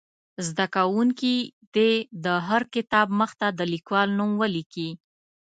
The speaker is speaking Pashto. زده کوونکي دې د هر کتاب مخ ته د لیکوال نوم ولیکي.